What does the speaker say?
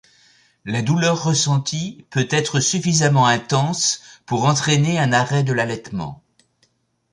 La douleur ressentie peut être suffisamment intense pour entraîner un arrêt de l'allaitement.